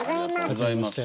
はじめまして。